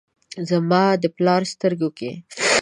زما د پلار سترګو کې ،